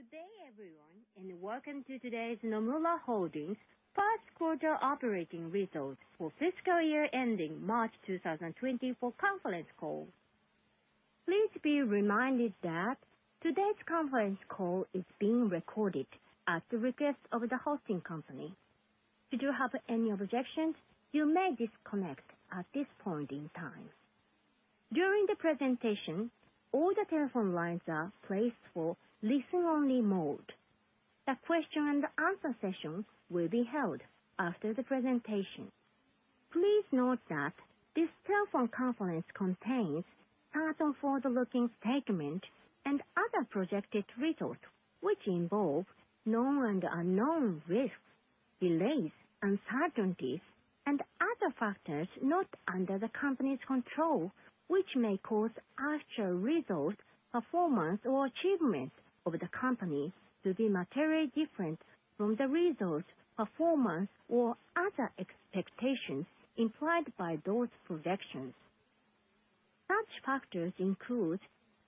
Good day, everyone, and welcome to today's Nomura Holdings first quarter operating results for fiscal year ending March 2024 conference call. Please be reminded that today's conference call is being recorded at the request of the hosting company. If you have any objections, you may disconnect at this point in time. During the presentation, all the telephone lines are placed for listen-only mode. A question and answer session will be held after the presentation. Please note that this telephone conference contains certain forward-looking statements and other projected results, which involve known and unknown risks, delays, uncertainties, and other factors not under the company's control, which may cause actual results, performance, or achievements of the company to be materially different from the results, performance, or other expectations implied by those projections. Such factors include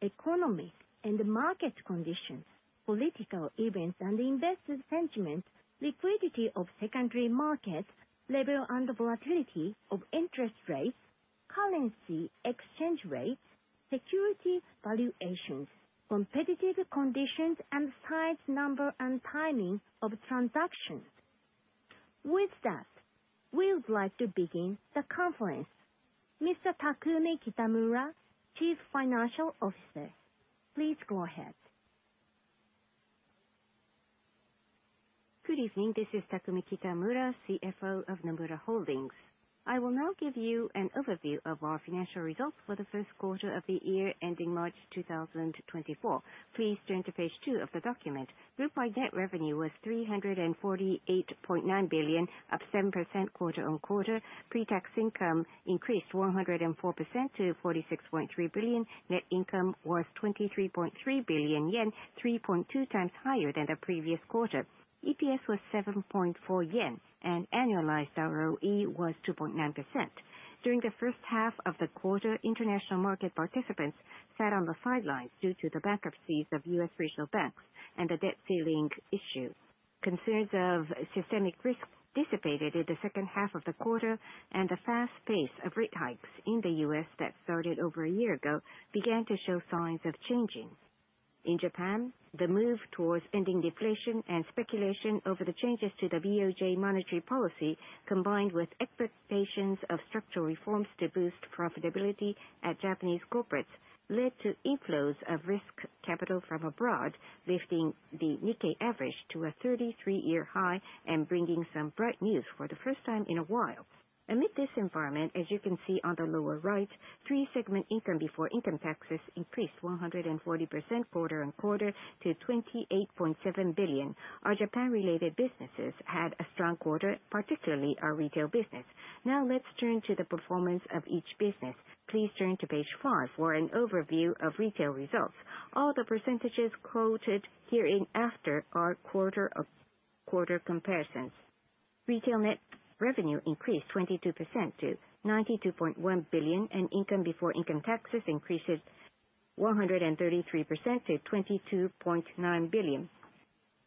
economic and market conditions, political events and investor sentiment, liquidity of secondary markets, level and volatility of interest rates, currency exchange rates, security valuations, competitive conditions, and size, number, and timing of transactions. With that, we would like to begin the conference. Mr. Takumi Kitamura, Chief Financial Officer, please go ahead. Good evening. This is Takumi Kitamura, CFO of Nomura Holdings. I will now give you an overview of our financial results for the first quarter of the year ending March 2024. Please turn to page 2 of the document. Groupwide net revenue was 348.9 billion, up 7% quarter-over-quarter. Pre-tax income increased 104% to 46.3 billion. Net income was 23.3 billion yen, 3.2 times higher than the previous quarter. EPS was 7.4 yen, and annualized ROE was 2.9%. During the first half of the quarter, international market participants sat on the sidelines due to the bankruptcies of U.S. regional banks and the debt ceiling issue. Concerns of systemic risk dissipated in the second half of the quarter, and the fast pace of rate hikes in the U.S. that started over a year ago began to show signs of changing. In Japan, the move towards ending deflation and speculation over the changes to the BOJ monetary policy, combined with expectations of structural reforms to boost profitability at Japanese corporates, led to inflows of risk capital from abroad, lifting the Nikkei average to a 33-year high and bringing some bright news for the first time in a while. Amid this environment, as you can see on the lower right, three-segment income before income taxes increased 140% quarter on quarter to 28.7 billion. Our Japan-related businesses had a strong quarter, particularly our retail business. Now, let's turn to the performance of each business. Please turn to page 5 for an overview of retail results. All the percentages quoted hereinafter are quarter-over-quarter comparisons. Retail net revenue increased 22% to 92.1 billion. Income before income taxes increased 133% to 22.9 billion.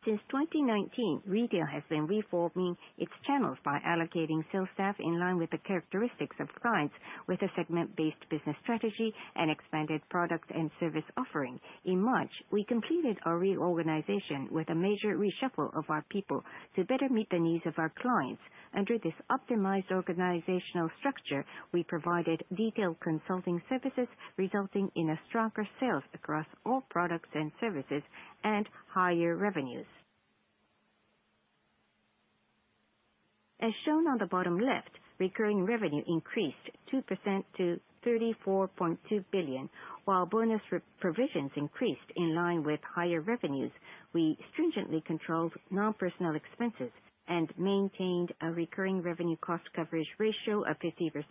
Since 2019, retail has been reforming its channels by allocating sales staff in line with the characteristics of clients, with a segment-based business strategy and expanded product and service offering. In March, we completed our reorganization with a major reshuffle of our people to better meet the needs of our clients. Under this optimized organizational structure, we provided detailed consulting services, resulting in stronger sales across all products and services and higher revenues. As shown on the bottom left, recurring revenue increased 2% to 34.2 billion, while bonus re-provisions increased in line with higher revenues. We stringently controlled non-personnel expenses and maintained a recurring revenue cost coverage ratio of 50%.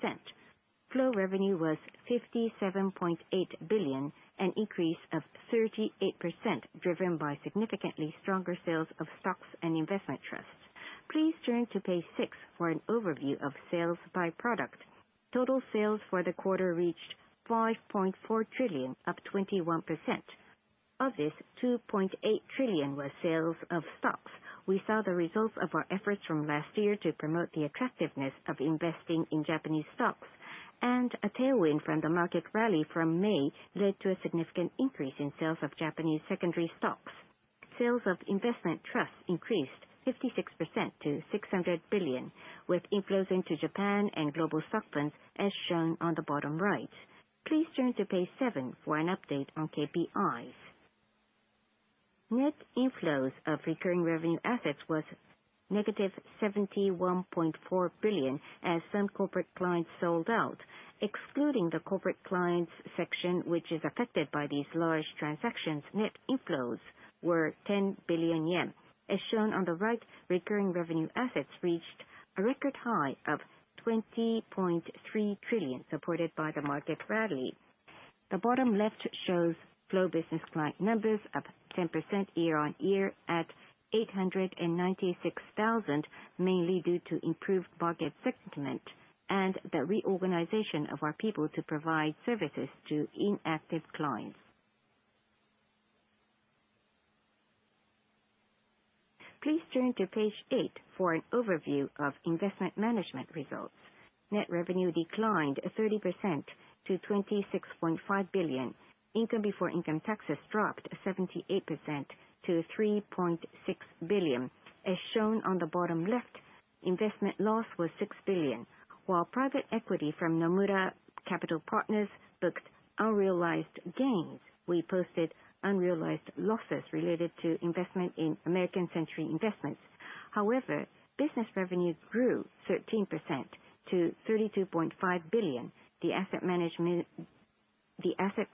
Flow revenue was 57.8 billion, an increase of 38%, driven by significantly stronger sales of stocks and investment trusts. Please turn to page 6 for an overview of sales by product. Total sales for the quarter reached 5.4 trillion, up 21%. Of this, 2.8 trillion was sales of stocks. We saw the results of our efforts from last year to promote the attractiveness of investing in Japanese stocks, a tailwind from the market rally from May led to a significant increase in sales of Japanese secondary stocks. Sales of investment trusts increased 56% to 600 billion, with inflows into Japan and global stock plans, as shown on the bottom right. Please turn to page 7 for an update on KPIs. Net inflows of recurring revenue assets was negative 71.4 billion, as some corporate clients sold out. Excluding the corporate clients section, which is affected by these large transactions, net inflows were 10 billion yen. As shown on the right, recurring revenue assets reached a record high of 20.3 trillion, supported by the market rally. The bottom left shows flow business client numbers up 10% year-over-year at 896,000, mainly due to improved market sentiment and the reorganization of our people to provide services to inactive clients. Please turn to page 8 for an overview of investment management results. Net revenue declined 30% to 26.5 billion. Income before income taxes dropped 78% to 3.6 billion. As shown on the bottom left, investment loss was 6 billion, while private equity from Nomura Capital Partners booked unrealized gains. We posted unrealized losses related to investment in American Century Investments. Business revenues grew 13% to 32.5 billion. The asset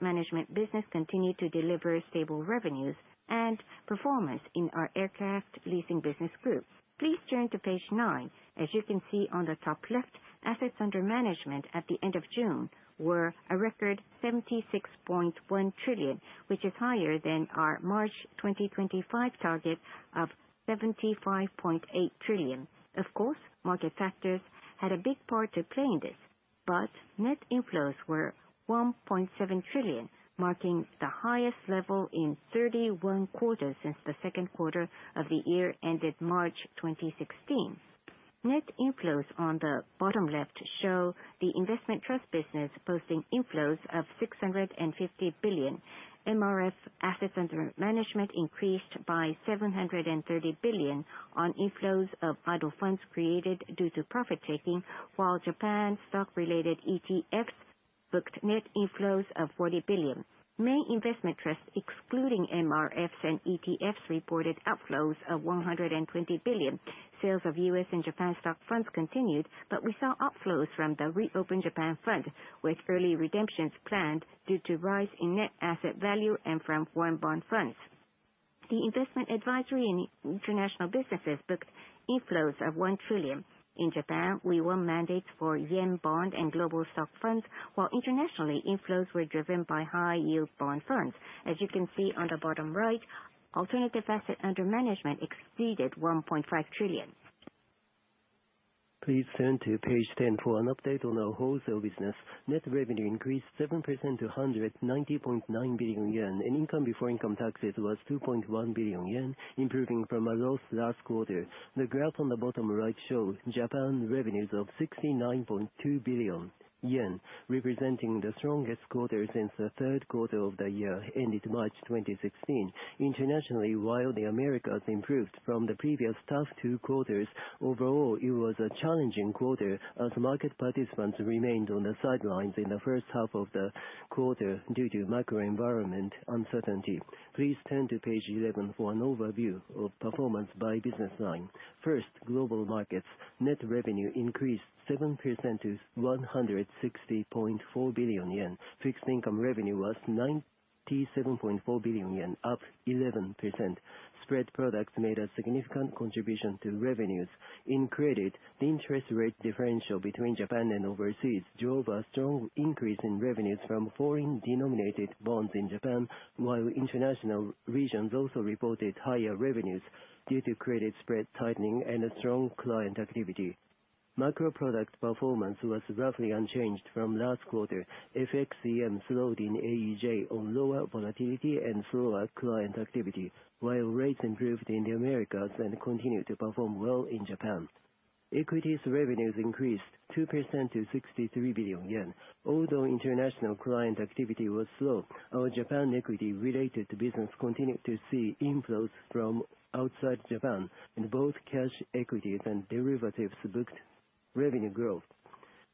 management business continued to deliver stable revenues and performance in our aircraft leasing business group. Please turn to page 9. As you can see on the top left, assets under management at the end of June were a record 76.1 trillion, which is higher than our March 2025 target of 75.8 trillion. Of course, market factors had a big part to play in this, but net inflows were 1.7 trillion, marking the highest level in 31 quarters since the second quarter of the year ended March 2016. Net inflows on the bottom left show the investment trust business posting inflows of 650 billion. MRF assets under management increased by 730 billion on inflows of idle funds created due to profit-taking, while Japan stock-related ETFs booked net inflows of 40 billion. Main investment trusts, excluding MRFs and ETFs, reported outflows of 120 billion. Sales of U.S. and Japan stock funds continued. We saw outflows from the Reopen Japan Fund, with early redemptions planned due to rise in net asset value and from foreign bond funds. The investment advisory and international businesses booked inflows of 1 trillion. In Japan, we won mandates for yen bond and global stock funds, while internationally, inflows were driven by high-yield bond funds. As you can see on the bottom right, alternative asset under management exceeded 1.5 trillion. Please turn to page 10 for an update on our wholesale business. Net revenue increased 7% to 190.9 billion yen, and income before income taxes was 2.1 billion yen, improving from a loss last quarter. The graph on the bottom right shows Japan revenues of 69.2 billion yen, representing the strongest quarter since the 3rd quarter of the year, ended March 2016. Internationally, while the Americas improved from the previous tough 2 quarters, overall, it was a challenging quarter as market participants remained on the sidelines in the 1st half of the quarter due to macro environment uncertainty. Please turn to page 11 for an overview of performance by business line. 1st, global markets. Net revenue increased 7% to 160.4 billion yen. Fixed income revenue was 97.4 billion yen, up 11%. Spread products made a significant contribution to revenues. In credit, the interest rate differential between Japan and overseas drove a strong increase in revenues from foreign-denominated bonds in Japan, while international regions also reported higher revenues due to credit spread tightening and a strong client activity. Macro product performance was roughly unchanged from last quarter. FX EM slowed in AEJ on lower volatility and slower client activity, while rates improved in the Americas and continued to perform well in Japan. Equities revenues increased 2% to 63 billion yen. Although international client activity was slow, our Japan equity-related business continued to see inflows from outside Japan, and both cash equities and derivatives booked revenue growth.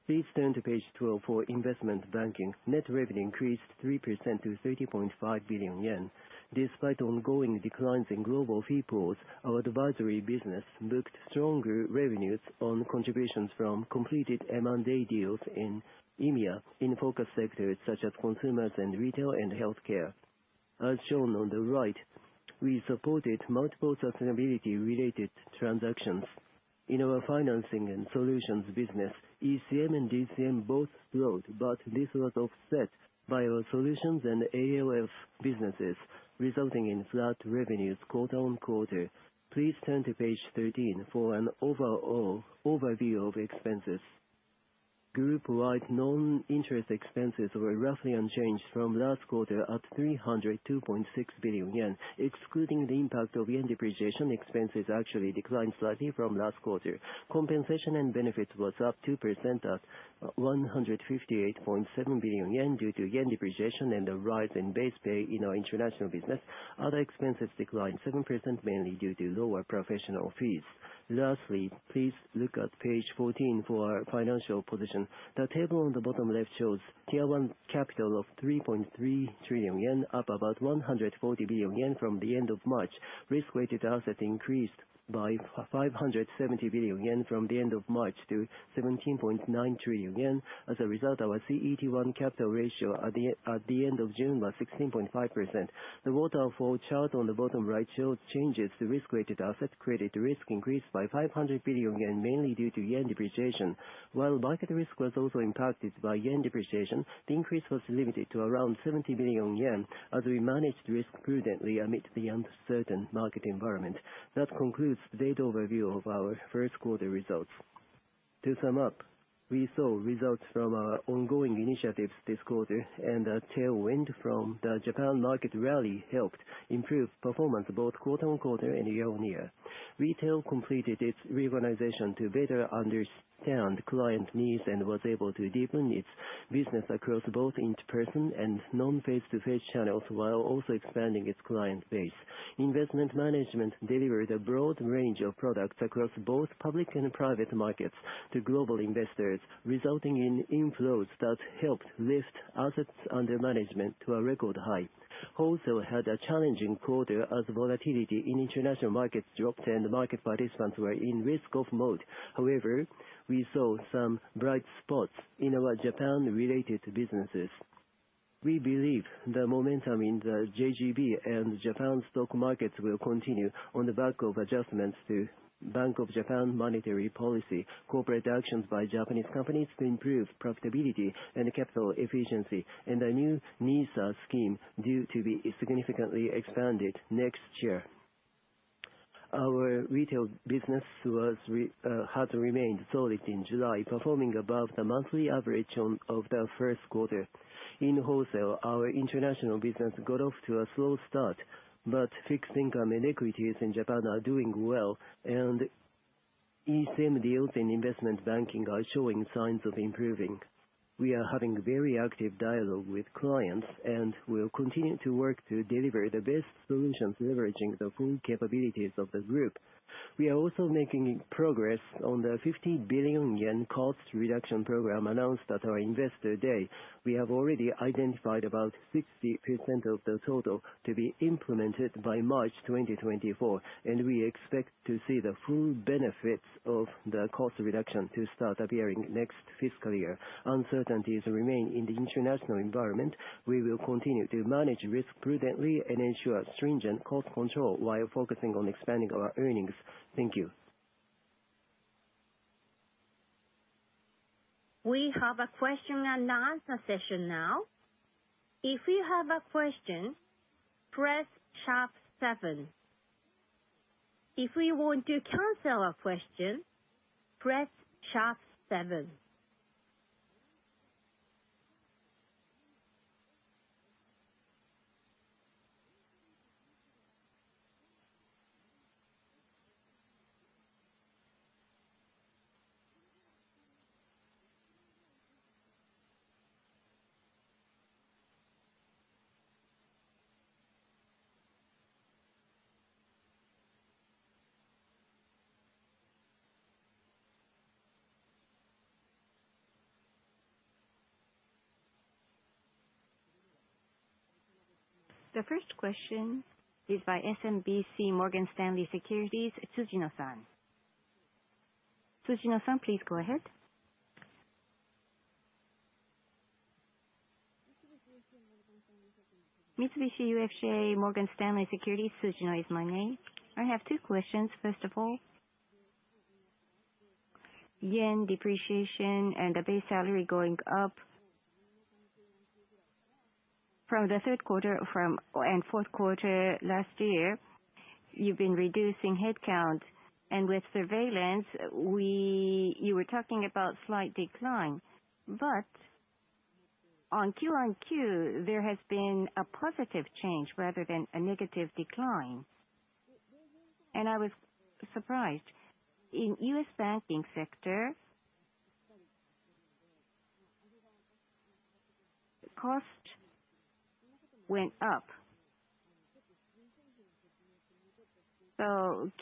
Please turn to page 12 for investment banking. Net revenue increased 3% to 30.5 billion yen. Despite ongoing declines in global fee pools, our advisory business booked stronger revenues on contributions from completed M&A deals in EMEA, in focus sectors such as consumers and retail and healthcare. As shown on the right, we supported multiple sustainability-related transactions. In our financing and solutions business, ECM and DCM both slowed, but this was offset by our solutions and AOL businesses, resulting in flat revenues quarter on quarter. Please turn to page 13 for an overall overview of expenses. Group-wide non-interest expenses were roughly unchanged from last quarter, at 302.6 billion yen. Excluding the impact of yen depreciation, expenses actually declined slightly from last quarter. Compensation and benefits was up 2% at 158.7 billion yen, due to yen depreciation and a rise in base pay in our international business. Other expenses declined 7%, mainly due to lower professional fees. Lastly, please look at page 14 for our financial position. The table on the bottom left shows Tier 1 capital of 3.3 trillion yen, up about 140 billion yen from the end of March. Risk-weighted assets increased by 570 billion yen from the end of March to 17.9 trillion yen. As a result, our CET1 capital ratio at the end of June was 16.5%. The waterfall chart on the bottom right shows changes to risk-weighted assets. Credit risk increased by 500 billion yen, mainly due to yen depreciation. While market risk was also impacted by yen depreciation, the increase was limited to around 70 billion yen as we managed risk prudently amid the uncertain market environment. That concludes the data overview of our first quarter results. To sum up, we saw results from our ongoing initiatives this quarter, and the tailwind from the Japan market rally helped improve performance both quarter-on-quarter and year-on-year. Retail completed its reorganization to better understand client needs and was able to deepen its business across both in-person and non-face-to-face channels, while also expanding its client base. Investment management delivered a broad range of products across both public and private markets to global investors, resulting in inflows that helped lift assets under management to a record high. Wholesale had a challenging quarter as volatility in international markets dropped and market participants were in risk-off mode. We saw some bright spots in our Japan-related businesses. We believe the momentum in the JGB and Japan stock markets will continue on the back of adjustments to Bank of Japan monetary policy, corporate actions by Japanese companies to improve profitability and capital efficiency, and a new NISA scheme due to be significantly expanded next year. Our retail business had remained solid in July, performing above the monthly average of the first quarter. In wholesale, our international business got off to a slow start, but fixed income and equities in Japan are doing well, and ECM deals in investment banking are showing signs of improving. We are having very active dialogue with clients and will continue to work to deliver the best solutions, leveraging the full capabilities of the group. We are also making progress on the 50 billion yen cost reduction program announced at our Investor Day. We have already identified about 60% of the total to be implemented by March 2024, and we expect to see the full benefits of the cost reduction to start appearing next fiscal year. Uncertainties remain in the international environment. We will continue to manage risk prudently and ensure stringent cost control while focusing on expanding our earnings. Thank you. We have a question and answer session now. If you have a question, press sharp seven. If you want to cancel a question, press sharp seven. The first question is by Mitsubishi UFJ Morgan Stanley Securities, Tsujino. Tsujino, please go ahead. Mitsubishi UFJ Morgan Stanley Securities, Tsujino is my name. I have two questions. First of all, yen depreciation and the base salary going up. From the 3rd quarter from, and 4th quarter last year, you've been reducing head count, and with surveillance, you were talking about slight decline. On Q-on-Q, there has been a positive change rather than a negative decline, and I was surprised. In US banking sector, cost went up.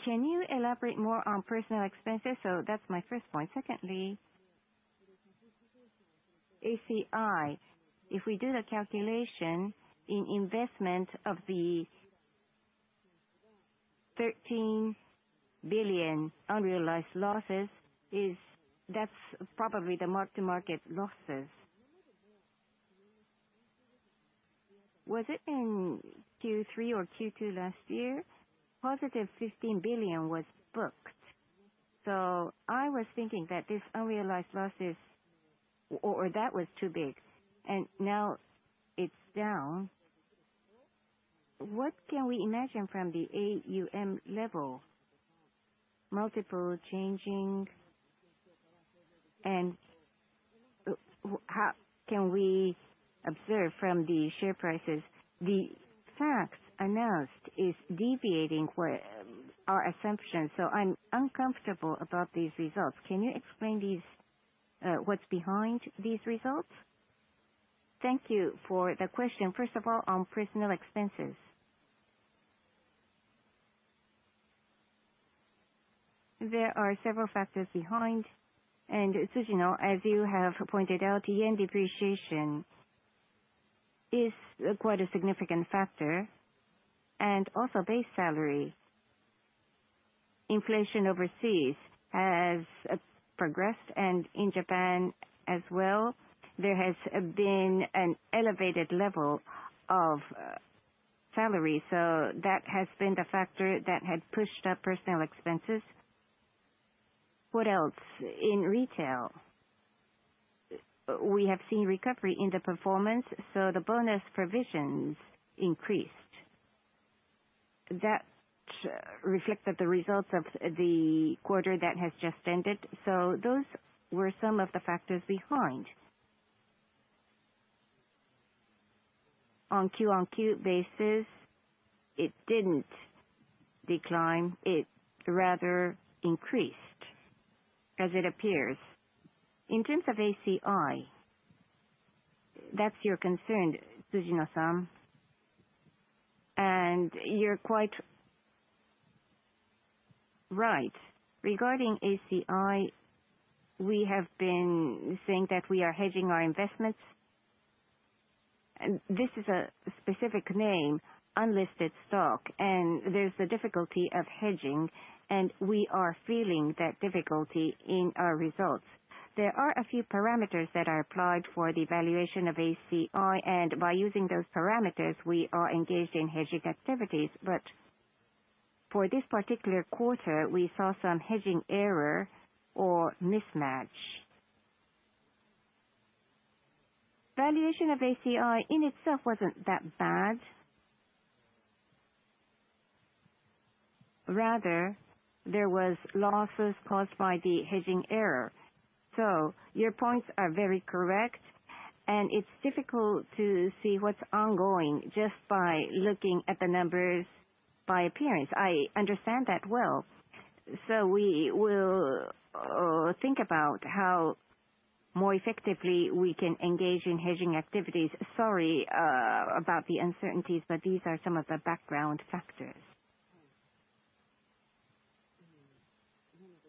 Can you elaborate more on personal expenses? That's my first point. Secondly, ACI, if we do the calculation in investment of the 13 billion unrealized losses, that's probably the mark-to-market losses. Was it in Q3 or Q2 last year? Positive 15 billion was booked, so I was thinking that this unrealized losses, or that was too big, and now it's down. What can we imagine from the AUM level? Multiple changing, and, how can we observe from the share prices? The facts announced is deviating with our assumptions, so I'm uncomfortable about these results. Can you explain these, what's behind these results? Thank you for the question. First of all, on personal expenses. There are several factors behind, and Tsujino, as you have pointed out, yen depreciation is quite a significant factor, and also base salary. Inflation overseas has progressed, and in Japan as well, there has been an elevated level of salary, so that has been the factor that had pushed up personal expenses. What else? In retail we have seen recovery in the performance, so the bonus provisions increased. That reflected the results of the quarter that has just ended, so those were some of the factors behind. On Q-on-Q basis, it didn't decline. It rather increased, as it appears. In terms of ACI, that's your concern, Tsujino, and you're quite right. Regarding ACI, we have been saying that we are hedging our investments. And this is a specific name, unlisted stock, and there's a difficulty of hedging, and we are feeling that difficulty in our results. There are a few parameters that are applied for the valuation of ACI, and by using those parameters, we are engaged in hedging activities. But for this particular quarter, we saw some hedging error or mismatch. Valuation of ACI in itself wasn't that bad. Rather, there was losses caused by the hedging error. Your points are very correct, and it's difficult to see what's ongoing just by looking at the numbers by appearance. I understand that well. We will think about how more effectively we can engage in hedging activities. Sorry about the uncertainties, but these are some of the background factors.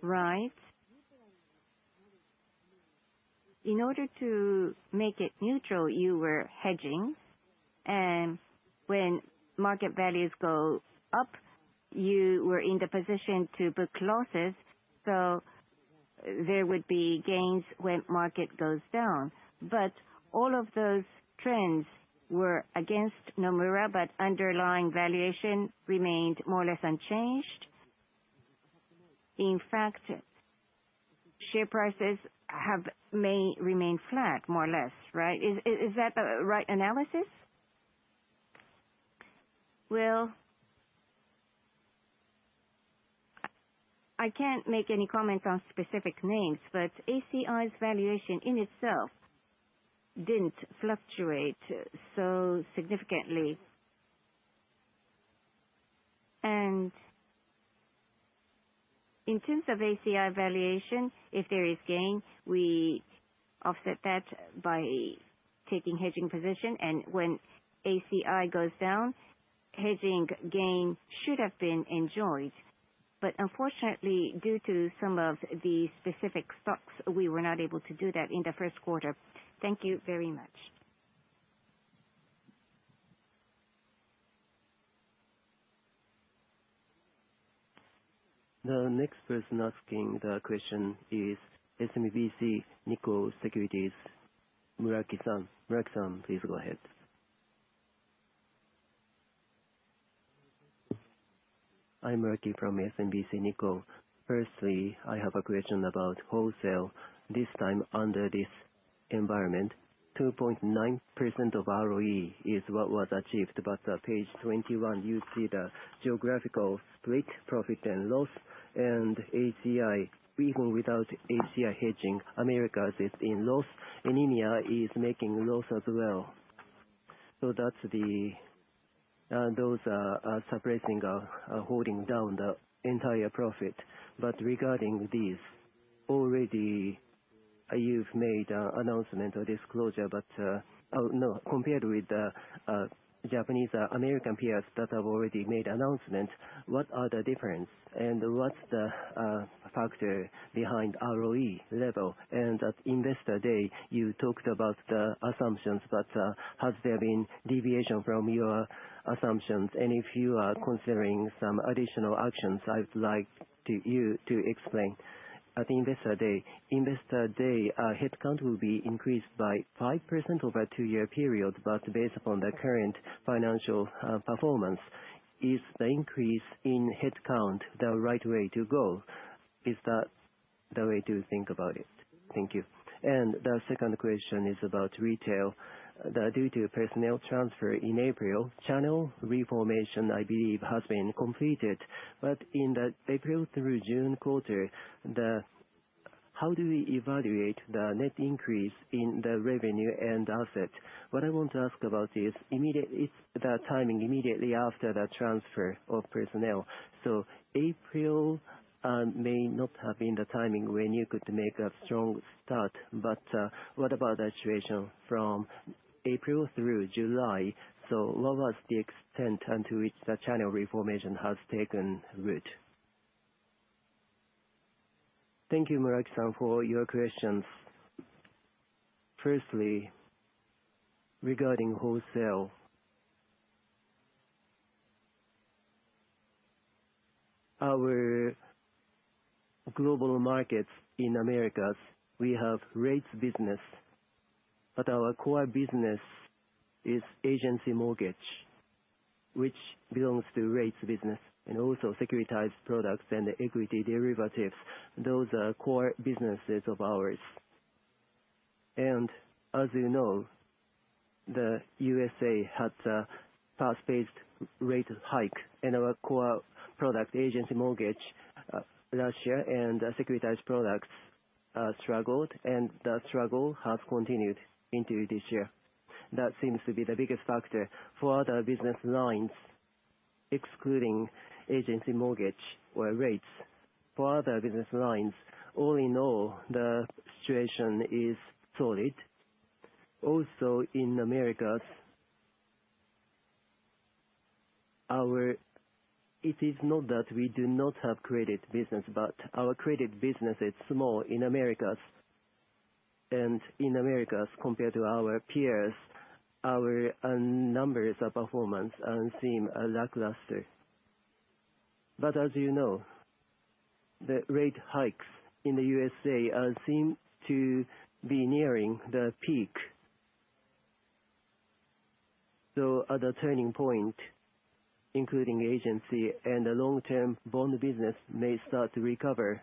Right. In order to make it neutral, you were hedging, and when market values go up, you were in the position to book losses, so there would be gains when market goes down. All of those trends were against Nomura, but underlying valuation remained more or less unchanged. In fact, share prices have may remained flat, more or less, right? Is that the right analysis? Well, I can't make any comment on specific names, but ACI's valuation in itself didn't fluctuate so significantly. In terms of ACI valuation, if there is gain, we offset that by taking hedging position. When ACI goes down, hedging gain should have been enjoyed. Unfortunately, due to some of the specific stocks, we were not able to do that in the first quarter. Thank you very much. The next person asking the question is SMBC Nikko Securities, Muraki. Muraki, please go ahead. I'm Muraki from SMBC Nikko. Firstly, I have a question about wholesale. This time, under this environment, 2.9% of ROE is what was achieved. Page 21, you see the geographical split, profit and loss, and ACI. Even without ACI hedging, Americas is in loss, and India is making loss as well. That's the, those are, are suppressing or, or holding down the entire profit. Regarding this, already, you've made a announcement or disclosure, but, compared with the Japanese, American peers that have already made announcements, what are the difference, and what's the factor behind ROE level? At Investor Day, you talked about the assumptions, but, has there been deviation from your assumptions? If you are considering some additional actions, I would like to you to explain. At Investor Day, Investor Day, head count will be increased by 5% over a two-year period, but based upon the current financial performance, is the increase in head count the right way to go? Is that the way to think about it? Thank you. The second question is about retail. Due to personnel transfer in April, channel reformation, I believe, has been completed. But in the April through June quarter, the, how do we evaluate the net increase in the revenue and assets? What I want to ask about is it's the timing immediately after the transfer of personnel. So April, may not have been the timing when you could make a strong start, but, what about the situation from April through July? What was the extent unto which the channel reformation has taken root? Thank you, Muraki, for your questions. Firstly, regarding wholesale, our global markets in Americas, we have rates business, but our core business is agency mortgage. Which belongs to rates business and also securitized products and equity derivatives. Those are core businesses of ours. As you know, the USA had a fast-paced rate hike in our core product, agency mortgage, last year, and securitized products struggled, and that struggle has continued into this year. That seems to be the biggest factor for other business lines, excluding agency mortgage or rates. For other business lines, all in all, the situation is solid. Also, in Americas, it is not that we do not have credit business, but our credit business is small in Americas. In Americas, compared to our peers, our numbers of performance seem lackluster. As you know, the rate hikes in the USA seem to be nearing the peak. At a turning point, including agency and the long-term bond business may start to recover.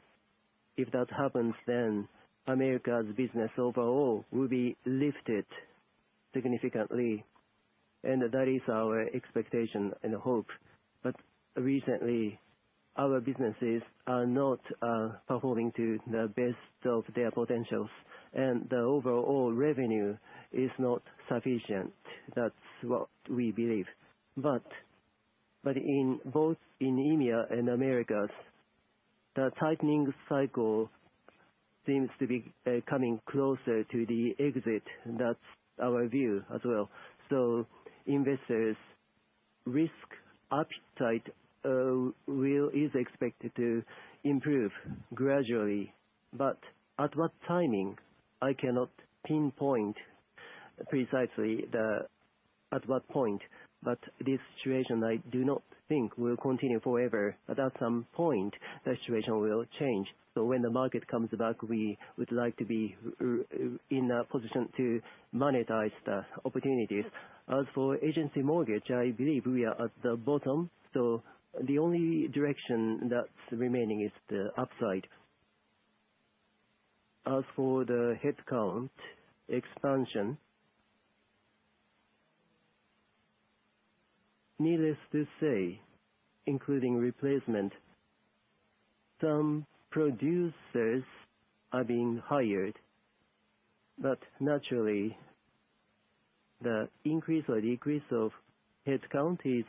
If that happens, Americas business overall will be lifted significantly, and that is our expectation and hope. Recently, our businesses are not performing to the best of their potentials, and the overall revenue is not sufficient. That's what we believe. In both EMEA and Americas, the tightening cycle seems to be coming closer to the exit. That's our view as well. Investors' risk appetite is expected to improve gradually. At what timing? I cannot pinpoint precisely at what point, but this situation, I do not think will continue forever. At some point, the situation will change, so when the market comes back, we would like to be in a position to monetize the opportunities. As for agency mortgage, I believe we are at the bottom, so the only direction that's remaining is the upside. As for the headcount expansion, needless to say, including replacement, some producers are being hired, but naturally, the increase or decrease of headcount is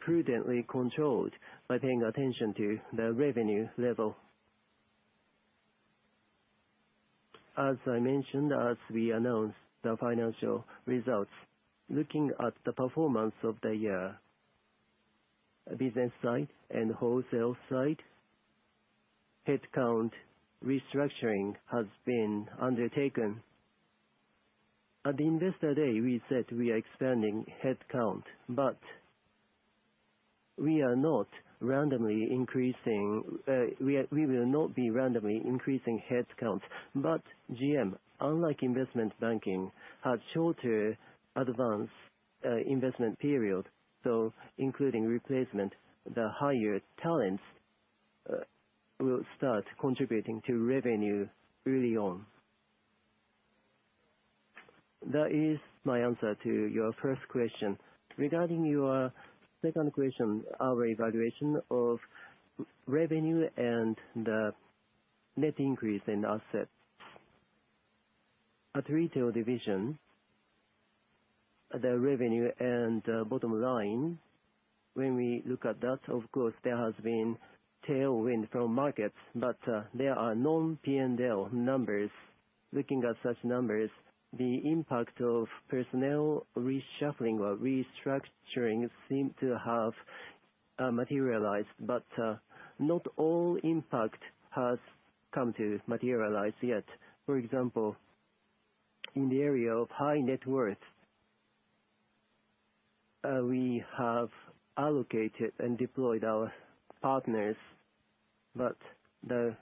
prudently controlled by paying attention to the revenue level. As I mentioned, as we announce the financial results, looking at the performance of the year, business side and wholesale side, headcount restructuring has been undertaken. At Investor Day, we said we are expanding headcount, but we are not randomly increasing, we will not be randomly increasing headcounts. GM, unlike investment banking, has shorter advance investment period, so including replacement, the higher talents will start contributing to revenue early on. That is my answer to your first question. Regarding your second question, our evaluation of revenue and the net increase in assets. At retail division, the revenue and bottom line, when we look at that, of course, there has been tailwind from markets, but there are non-P&L numbers. Looking at such numbers, the impact of personnel reshuffling or restructuring seem to have materialized, but not all impact has come to materialize yet. For example, in the area of high net worth, we have allocated and deployed our partners, but the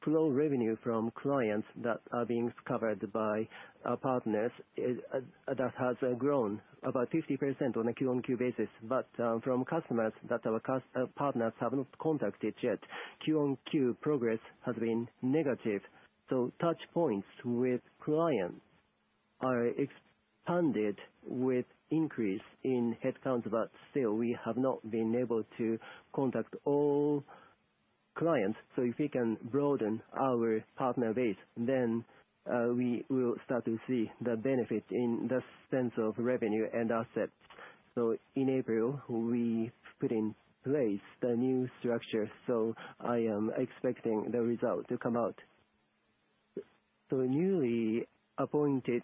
pro revenue from clients that are being covered by our partners is that has grown about 50% on a Q-on-Q basis. From customers that our partners have not contacted yet, Q-on-Q progress has been negative. Touch points with clients are expanded with increase in headcounts, but still we have not been able to contact all clients. If we can broaden our partner base, then we will start to see the benefit in the sense of revenue and assets. In April, we put in place the new structure, so I am expecting the result to come out. The newly appointed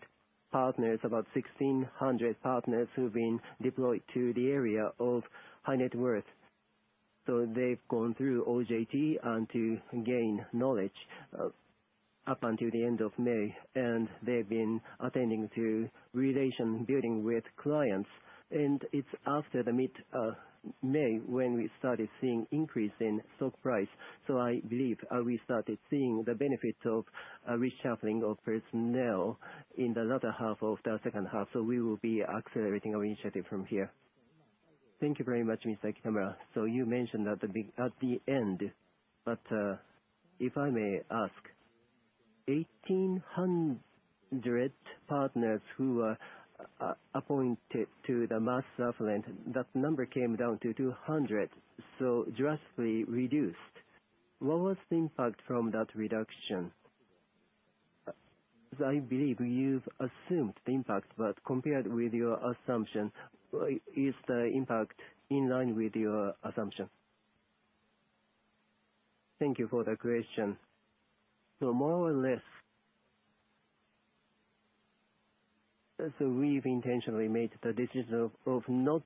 partners, about 1,600 partners, who've been deployed to the area of high net worth. They've gone through OJT and to gain knowledge up until the end of May, and they've been attending to relation building with clients. It's after the mid May, when we started seeing increase in stock price. I believe we started seeing the benefits of reshuffling of personnel in the latter half of the second half. We will be accelerating our initiative from here. Thank you very much, Mr. Kitamura. You mentioned at the end, but if I may ask, 1,800 partners who were appointed to the mass affluent, that number came down to 200, so drastically reduced. What was the impact from that reduction? I believe you've assumed the impact, but compared with your assumption, is the impact in line with your assumption? Thank you for the question. More or less, as we've intentionally made the decision of not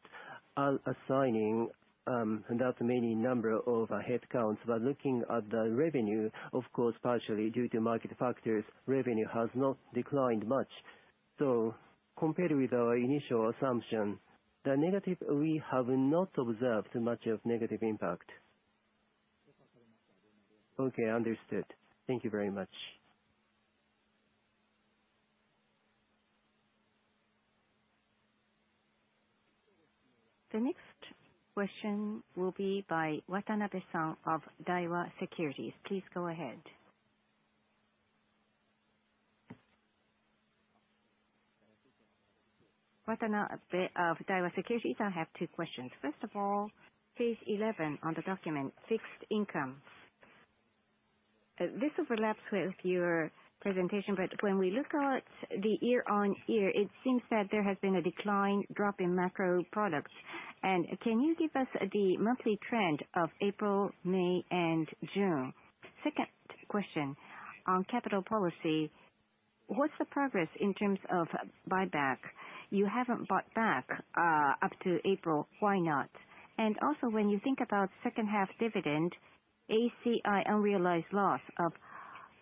assigning that many number of headcounts, but looking at the revenue, of course, partially due to market factors, revenue has not declined much. Compared with our initial assumption, the negative, we have not observed much of negative impact. Okay, understood. Thank you very much. The next question will be by Watanabe of Daiwa Securities. Please go ahead. Watanabe of Daiwa Securities. I have two questions. First of all, page 11 on the document, Fixed Income. This overlaps with your presentation, but when we look at the year-over-year, it seems that there has been a decline, drop in macro products. Can you give us the monthly trend of April, May, and June? Second question on capital policy, what's the progress in terms of buyback? You haven't bought back up to April. Why not? Also, when you think about second half dividend, ACI unrealized loss of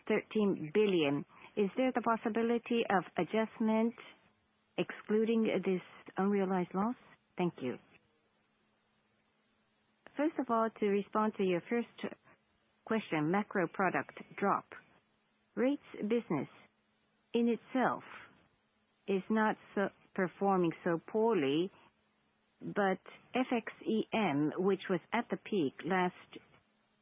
13 billion, is there the possibility of adjustment excluding this unrealized loss? Thank you. First of all, to respond to your first question, macro product drop. Rates business in itself is not so, performing so poorly, but FX EM, which was at the peak last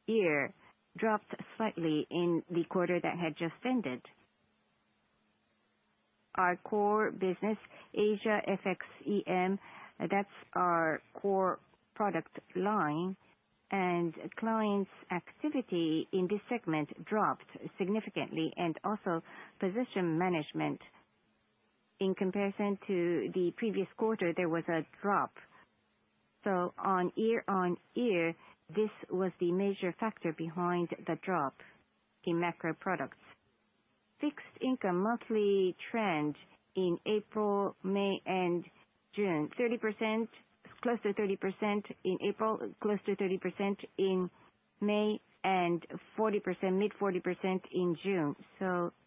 year, dropped slightly in the quarter that had just ended. Our core business, Asia FX EM, that's our core product line. Clients' activity in this segment dropped significantly, and also position management. In comparison to the previous quarter, there was a drop. On year-on-year, this was the major factor behind the drop in macro products. Fixed Income monthly trend in April, May, and June: 30%, close to 30% in April, close to 30% in May, and 40%, mid-40% in June.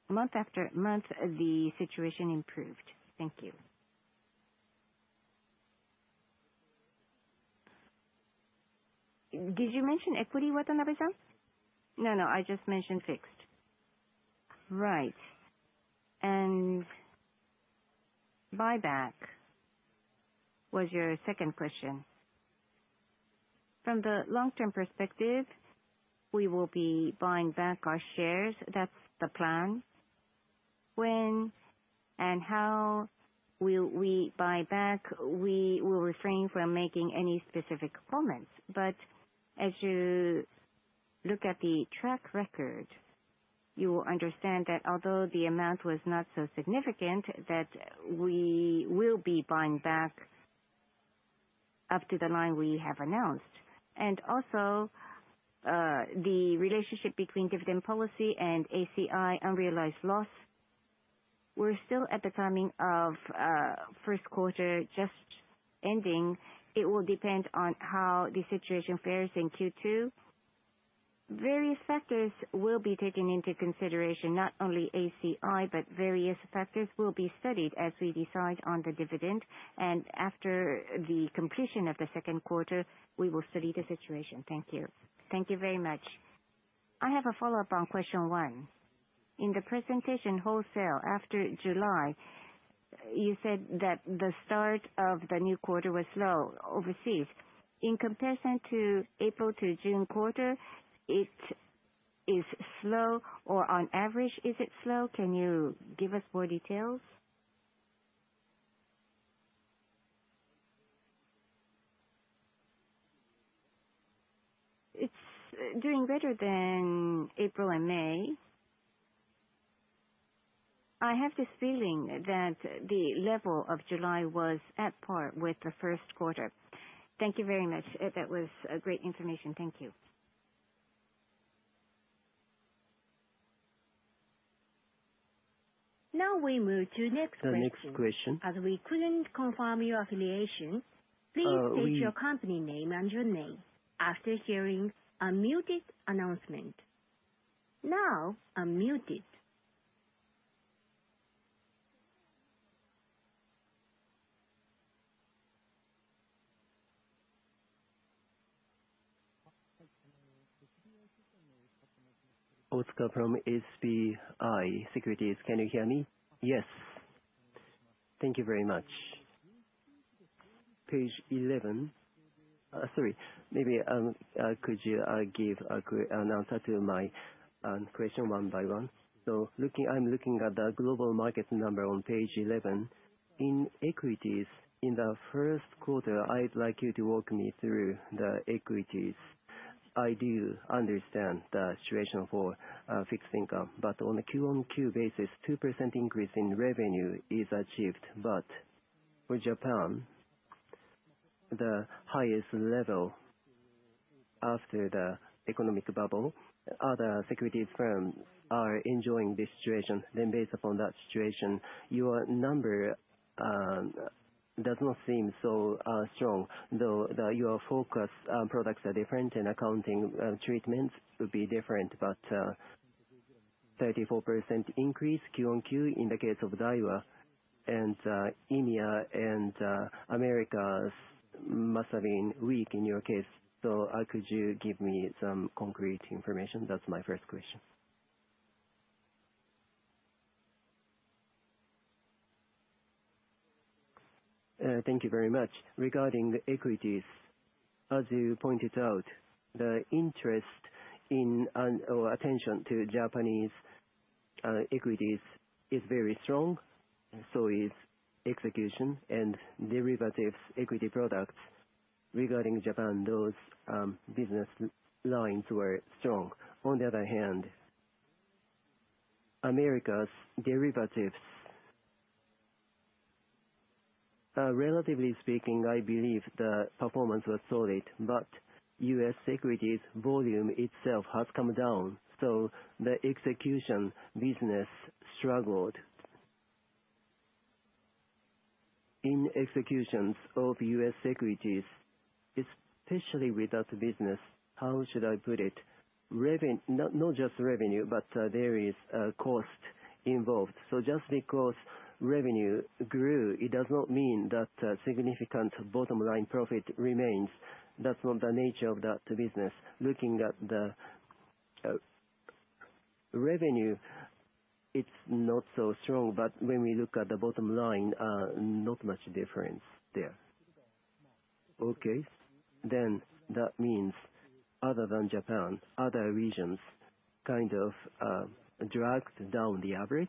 Month-after-month, the situation improved. Thank you. Did you mention equity, Watanabe? No, no, I just mentioned Fixed. Right. Buyback was your second question. From the long-term perspective, we will be buying back our shares. That's the plan. When and how will we buy back, we will refrain from making any specific comments. As you look at the track record, you will understand that although the amount was not so significant, that we will be buying back up to the line we have announced. Also, the relationship between dividend policy and ACI unrealized loss, we're still at the timing of first quarter just ending. It will depend on how the situation fares in Q2. Various factors will be taken into consideration, not only ACI, but various factors will be studied as we decide on the dividend. After the completion of the second quarter, we will study the situation. Thank you. Thank you very much. I have a follow-up on question 1. In the presentation wholesale, after July, you said that the start of the new quarter was slow overseas. In comparison to April to June quarter, it is slow, or on average, is it slow? Can you give us more details? It's doing better than April and May. I have this feeling that the level of July was at par with the first quarter. Thank you very much. That was great information. Thank you. Now we move to next question. The next question. As we couldn't confirm your affiliation. Please state your company name and your name after hearing unmute announcement. Now, unmuted. Otsuka from SBI Securities. Can you hear me? Yes. Thank you very much. Page 11. Sorry, maybe, could you give an answer to my question 1 by 1? I'm looking at the Global Market number on page 11. In equities, in the 1st quarter, I would like you to walk me through the equities. I do understand the situation for fixed income, on a Q-on-Q basis, 2% increase in revenue is achieved. With Japan, the highest level after the economic bubble, other securities firms are enjoying this situation. Based upon that situation, your number does not seem so strong, though, your focus products are different and accounting treatments will be different. 34% increase Q-on-Q in the case of Daiwa, India and Americas must have been weak in your case. Could you give me some concrete information? That's my first question. Thank you very much. Regarding the equities, as you pointed out, the interest in, and, or attention to Japanese equities is very strong, so is execution and derivatives equity products. Regarding Japan, those business lines were strong. On the other hand, America's derivatives... Relatively speaking, I believe the performance was solid, but US securities volume itself has come down, so the execution business struggled. In executions of US securities, especially with that business, how should I put it? Not, not just revenue, but there is cost involved. Just because revenue grew, it does not mean that a significant bottom line profit remains. That's not the nature of that business. Looking at the revenue, it's not so strong, but when we look at the bottom line, not much difference there. Okay. That means other than Japan, other regions kind of dragged down the average?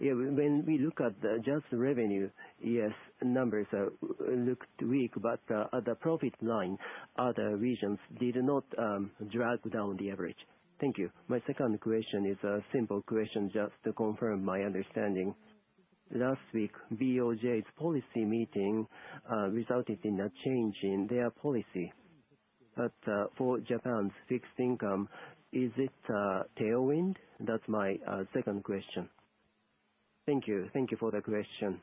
Yeah, when we look at the just revenue, yes, numbers looked weak, but at the profit line, other regions did not drag down the average. Thank you. My second question is a simple question, just to confirm my understanding. Last week, BOJ's policy meeting resulted in a change in their policy. For Japan's fixed income, is it a tailwind? That's my second question. Thank you. Thank you for the question.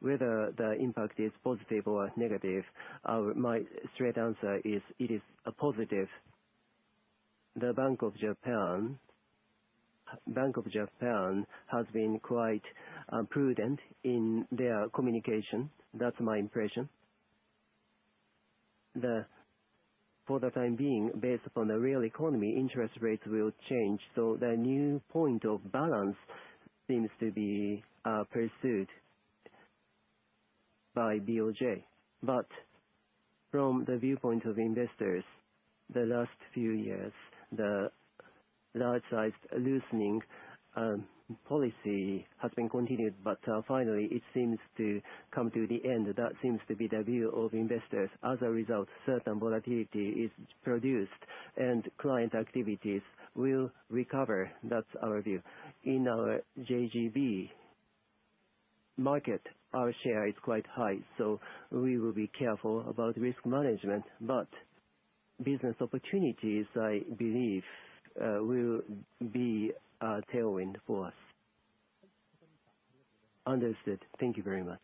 Whether the impact is positive or negative, my straight answer is, it is a positive. The Bank of Japan, Bank of Japan has been quite prudent in their communication. That's my impression. For the time being, based upon the real economy, interest rates will change, so the new point of balance seems to be pursued by BOJ. From the viewpoint of investors, the last few years, the large-sized loosening policy has been continued, but finally it seems to come to the end. That seems to be the view of investors. As a result, certain volatility is produced and client activities will recover. That's our view. In our JGB market, our share is quite high, so we will be careful about risk management, but business opportunities, I believe, will be a tailwind for us. Understood. Thank you very much.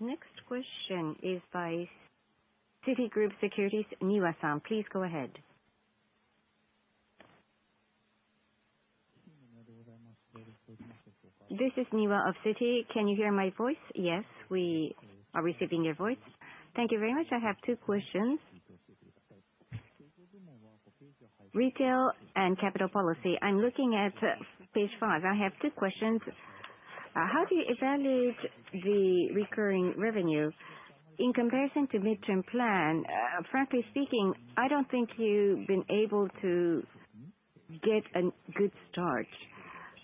Next question is by Citigroup Securities, Niwa. Please go ahead. This is Niwa of Citi. Can you hear my voice? Yes, we are receiving your voice. Thank you very much. I have two questions. Retail and capital policy, I'm looking at page five. I have two questions. How do you evaluate the recurring revenue in comparison to midterm plan? Frankly speaking, I don't think you've been able to get a good start.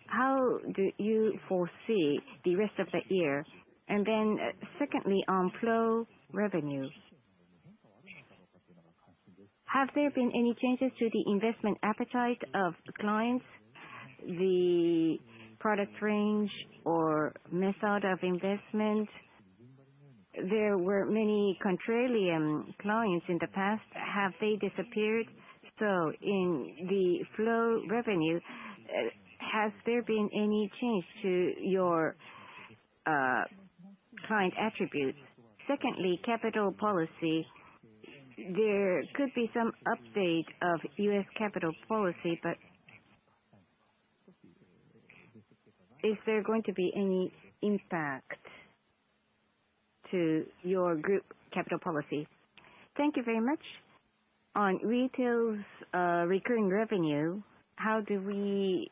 How do you foresee the rest of the year? Secondly, on flow revenue, have there been any changes to the investment appetite of clients, the product range or method of investment? There were many contrarian clients in the past. Have they disappeared? In the flow revenue, has there been any change to your client attributes? Secondly, capital policy, there could be some update of U.S. capital policy, is there going to be any impact to your group capital policy? Thank you very much. On retail's recurring revenue, how do we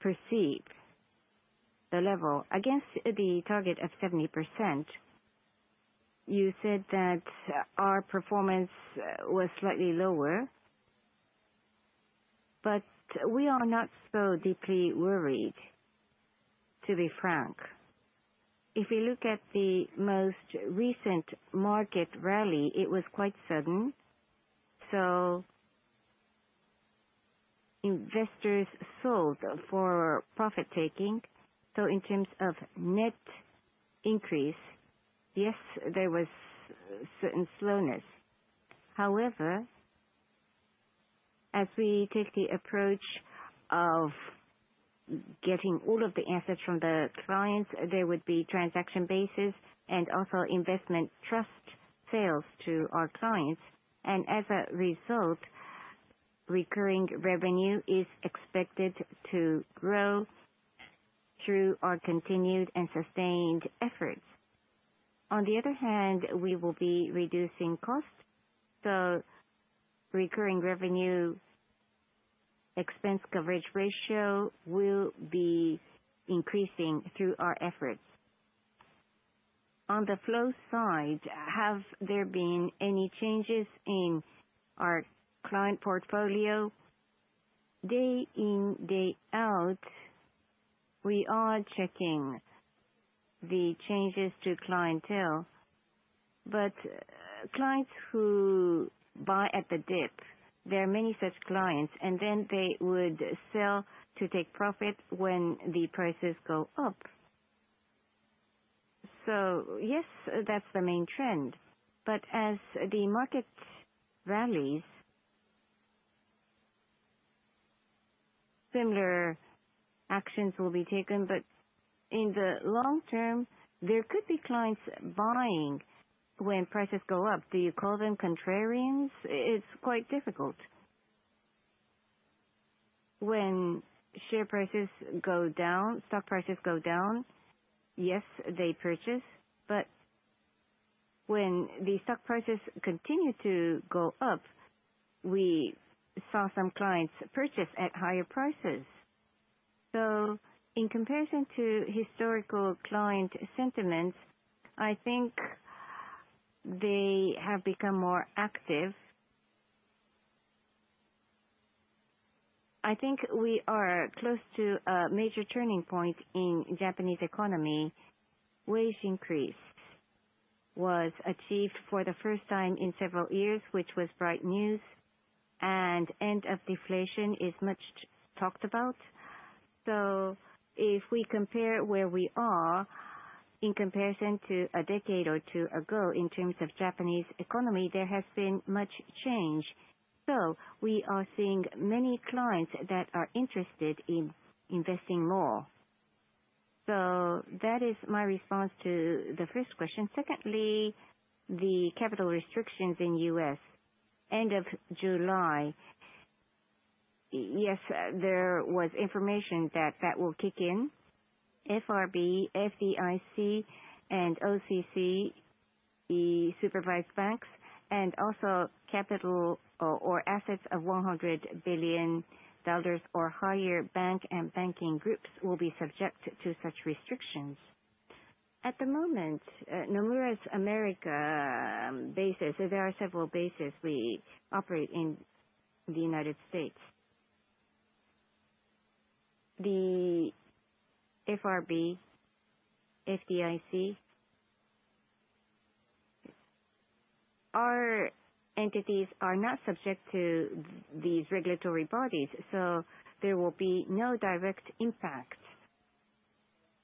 perceive the level against the target of 70%? You said that our performance was slightly lower, we are not so deeply worried, to be frank. If you look at the most recent market rally, it was quite sudden, investors sold for profit-taking. In terms of net increase, yes, there was certain slowness. However, as we take the approach of getting all of the assets from the clients, there would be transaction basis and also investment trust sales to our clients. As a result, recurring revenue is expected to grow through our continued and sustained efforts. On the other hand, we will be reducing costs, so recurring revenue expense coverage ratio will be increasing through our efforts. On the flow side, have there been any changes in our client portfolio? Day in, day out, we are checking the changes to clientele, but clients who buy at the dip, there are many such clients, and then they would sell to take profit when the prices go up. Yes, that's the main trend, but as the market rallies, similar actions will be taken. In the long term, there could be clients buying when prices go up. Do you call them contrarians? It's quite difficult. When share prices go down, stock prices go down, yes, they purchase, but when the stock prices continue to go up, we saw some clients purchase at higher prices. In comparison to historical client sentiments, I think they have become more active. I think we are close to a major turning point in Japanese economy. Wage increase was achieved for the first time in several years, which was bright news, and end of deflation is much talked about. If we compare where we are in comparison to a decade or 2 ago in terms of Japanese economy, there has been much change. We are seeing many clients that are interested in investing more. That is my response to the first question. Secondly, the capital restrictions in U.S., end of July, yes, there was information that that will kick in. FRB, FDIC, and OCC, the supervised banks, and also capital or assets of $100 billion or higher bank and banking groups will be subject to such restrictions. At the moment, Nomura's Americas business, there are several bases we operate in the United States. The FRB, FDIC, our entities are not subject to these regulatory bodies, there will be no direct impact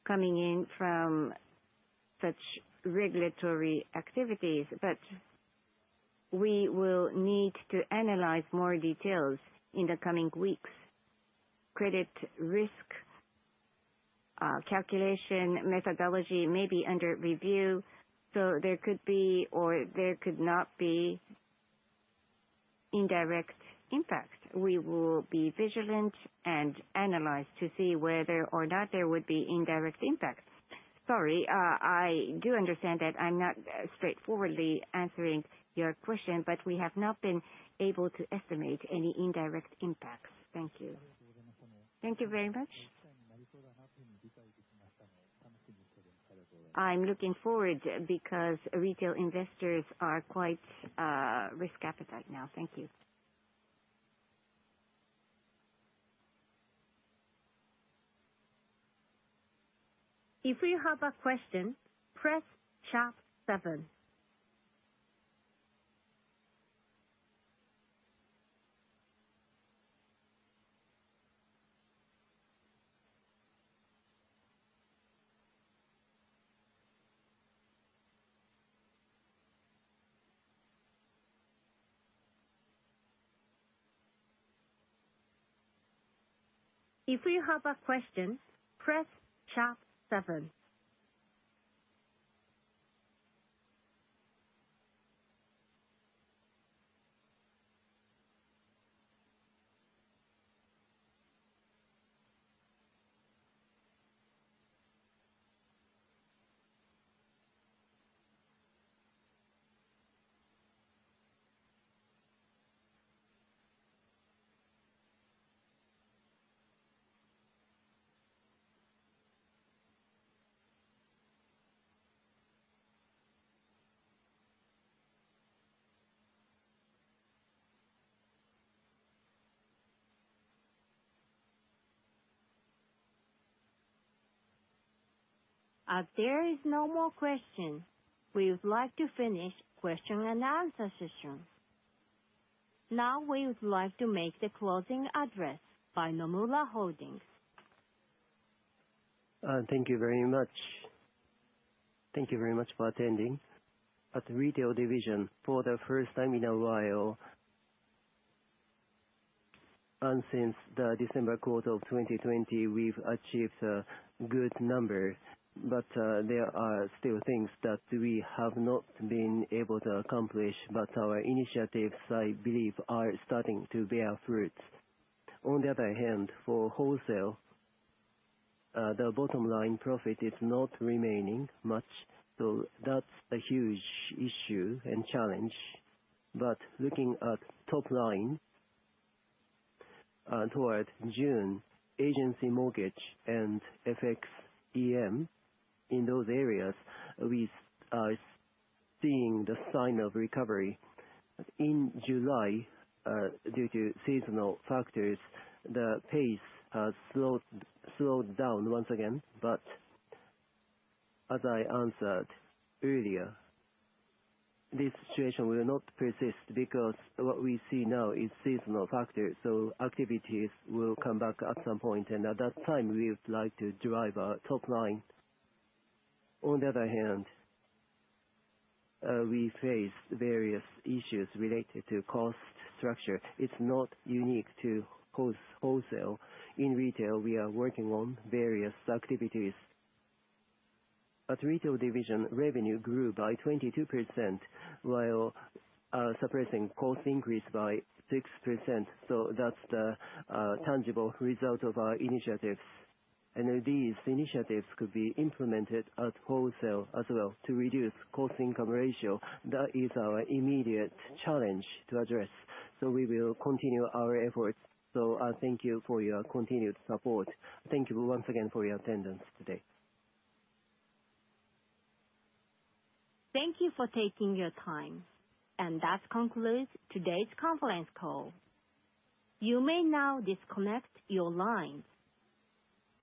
coming in from such regulatory activities, we will need to analyze more details in the coming weeks. Credit risk calculation methodology may be under review, there could be or there could not be indirect impact. We will be vigilant and analyze to see whether or not there would be indirect impacts. Sorry, I do understand that I'm not straightforwardly answering your question, we have not been able to estimate any indirect impacts. Thank you. Thank you very much. I'm looking forward, because retail investors are quite risk appetite now. Thank you. If you have a question, press sharp seven. If you have a question, press sharp seven. As there is no more question, we would like to finish question and answer session. Now, we would like to make the closing address by Nomura Holdings. Thank you very much. Thank you very much for attending. At retail division, for the first time in a while, since the December quarter of 2020, we've achieved a good number. There are still things that we have not been able to accomplish, but our initiatives, I believe, are starting to bear fruit. On the other hand, for wholesale, the bottom line profit is not remaining much, that's a huge issue and challenge. Looking at top line, towards June, agency mortgage and FX EM, in those areas, we are seeing the sign of recovery. In July, due to seasonal factors, the pace has slowed down once again. As I answered earlier, this situation will not persist because what we see now is seasonal factors, so activities will come back at some point, and at that time, we would like to drive our top line. On the other hand, we face various issues related to cost structure. It's not unique to wholesale. In retail, we are working on various activities. At retail division, revenue grew by 22%, while suppressing cost increase by 6%, so that's the tangible result of our initiatives. These initiatives could be implemented at wholesale as well to reduce cost income ratio. That is our immediate challenge to address, so we will continue our efforts. Thank you for your continued support. Thank you once again for your attendance today. Thank you for taking your time, and that concludes today's conference call. You may now disconnect your lines.